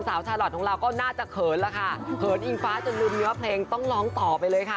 ชาลอทของเราก็น่าจะเขินแล้วค่ะเขินอิงฟ้าจนลืมเนื้อเพลงต้องร้องต่อไปเลยค่ะ